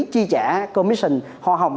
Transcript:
chi trả commission hoa hồng